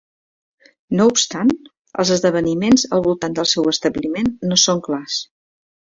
No obstant, els esdeveniments al voltant del seu establiment no són clars.